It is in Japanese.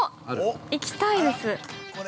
◆行きたいです。